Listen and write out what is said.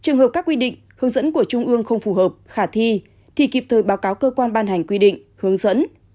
trường hợp các quy định hướng dẫn của trung ương không phù hợp khả thi thì kịp thời báo cáo cơ quan ban hành quy định hướng dẫn